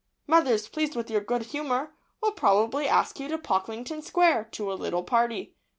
Mothers, pleased with your good humour, will probably ask you to Pocklington Square, to a little party.